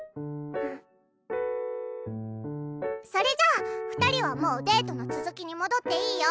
それじゃあ二人はもうデートの続きに戻っていいよ。